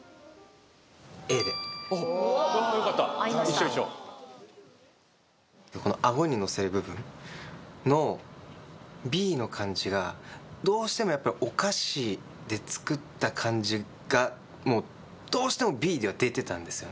Ａでよかった一緒一緒アゴに乗せる部分？のＢの感じがどうしてもやっぱりお菓子で作った感じがどうしてもＢでは出てたんですよね